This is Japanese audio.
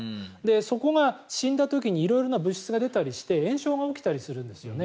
そこが死んだ時に色々な物質が出たりして炎症が起きたりするんですよね。